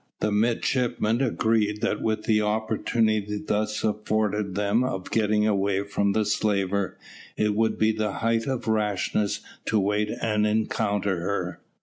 The midshipmen agreed that with the opportunity thus afforded them of getting away from the slaver, it would be the height of rashness to wait and encounter her.